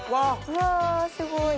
うわすごい。